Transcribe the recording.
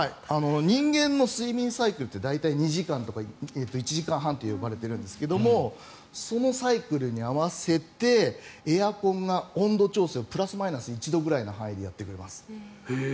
人間の睡眠サイクルって大体、２時間とか１時間半っていわれているんですがそのサイクルに合わせてエアコンが温度調整をプラスマイナス１度ぐらいの範囲でやってくれます。